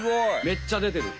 めっちゃでてる。